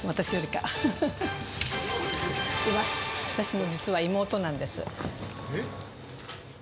私の実は妹なんです。え？